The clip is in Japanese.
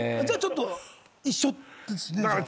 じゃあちょっと一緒ですね。